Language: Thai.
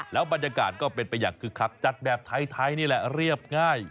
แล้วบรรยากาศก็เป็นไปอย่างคึกคักจัดแบบไทยนี่แหละเรียบง่าย